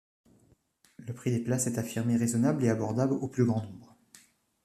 Le prix des places est affirmé raisonnable et abordable au plus grand nombre.